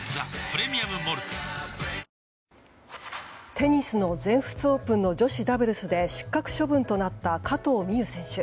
テニスの全仏オープンの女子ダブルスで失格処分となった加藤未唯選手。